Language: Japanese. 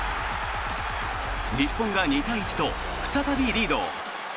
日本が２対１と再びリード。